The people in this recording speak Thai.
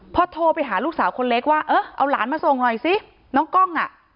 พอโทรไปหาลูกสาวคนเล็กว่าเออเอาหลานมาส่งหน่อยสิน้องกล้องอ่ะ